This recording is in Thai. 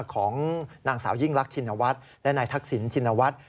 ของนางสาวยิ่งรักชินวัฒน์และนายทักษิณชินวัฒน์